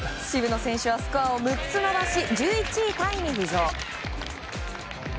渋野選手はスコアを６つ伸ばし１１位タイに浮上。